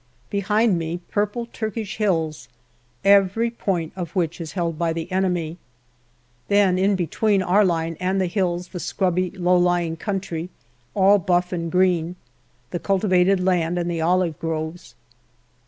Behind me, purple Turkish hills, every point of which is held by the enemy. Then in be tween our line and the hills the scrubby low lying country, all buff and green, the cultivated land, and the olive groves.